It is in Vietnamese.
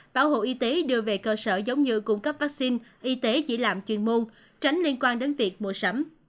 bảo hộ y tế đưa về cơ sở giống như cung cấp vaccine y tế chỉ làm chuyên môn tránh liên quan đến việc mua sắm